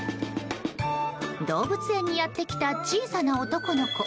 動物園にやってきた小さな男の子。